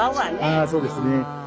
あそうですね。